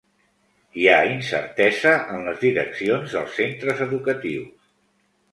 Hi ha incertesa en les direccions dels centres educatius.